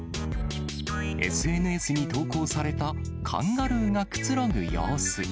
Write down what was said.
ＳＮＳに投稿されたカンガルーがくつろぐ様子。